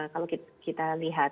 kalau kita lihat